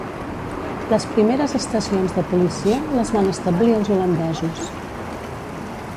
Les primeres estacions de policia les van establir els holandesos.